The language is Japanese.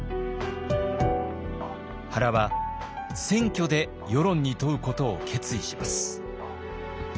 原は選挙で輿論に問うことを決意します。